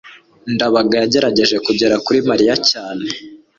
ndabaga yagerageje kugera kuri mariya cyane